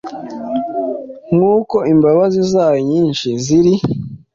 nk’uko imbabazi zayo nyinshi ziri,